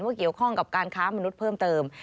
เกี่ยวข้องกับการค้ามนุษย์เพิ่มเติม